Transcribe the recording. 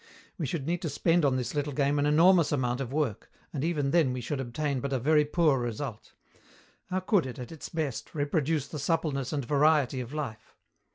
We should need to spend on this little game an enormous amount of work, and even then we should obtain but a very poor result: how could it, at its best, reproduce the suppleness and variety of life?